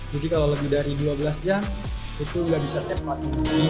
jadi kalau lebih dari dua belas jam itu nggak bisa tempat